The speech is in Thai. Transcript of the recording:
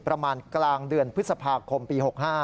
ประมาณกลางเดือนพฤษภาคมปี๖๕